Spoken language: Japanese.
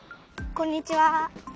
こんにちは。